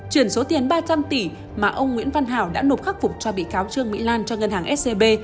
chuyển số tiền ba trăm linh tỷ mà ông nguyễn văn hảo đã nộp khắc phục cho bị cáo trương mỹ lan cho ngân hàng scb